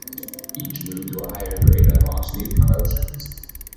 Each move to a higher grade unlocks new promotions.